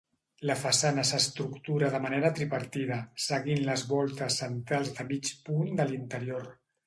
La façana s'estructura de manera tripartida seguint les voltes centrals de mig punt de l'interior.